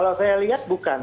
kalau saya lihat bukan